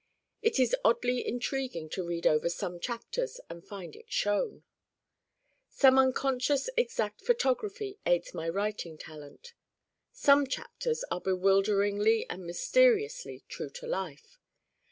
It is oddly intriguing to read over some chapters and find it shown. Some unconscious exact photography aids my writing talent. Some chapters are bewilderingly and mysteriously true to life.